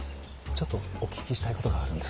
ちょっとお聞きしたいことがあるんですけど。